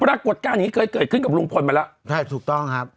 ปรากฏการณ์ก็จึงเกิดขึ้นที่กับลุงพลไปแล้ว